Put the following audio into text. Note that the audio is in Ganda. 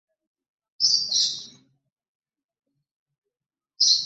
Okusinziira ku kiwandiiko ebivvulu bino bigenda kutandika ku ssaawa emu ey'oku makya